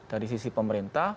dari sisi pemerintah